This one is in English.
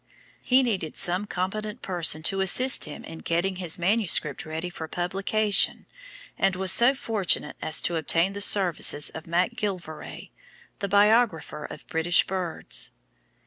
He needed some competent person to assist him in getting his manuscript ready for publication and was so fortunate as to obtain the services of MacGillivray, the biographer of British Birds.